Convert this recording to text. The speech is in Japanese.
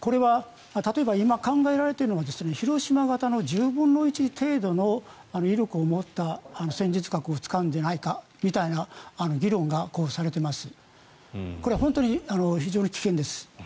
これは例えば今考えられているのは広島型の１０分の１程度の威力を持った戦術核を使うんじゃないかみたいな議論がされています。